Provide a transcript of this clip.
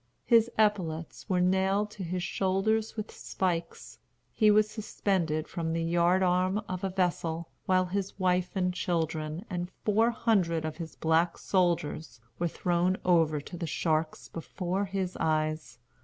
His epaulets were nailed to his shoulders with spikes, he was suspended from the yard arm of a vessel, while his wife and children, and four hundred of his black soldiers, were thrown over to the sharks before his eyes.